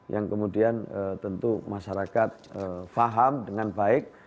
yang kemudian tentu masyarakat faham dengan baik